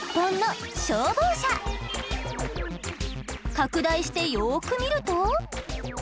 拡大してよく見ると。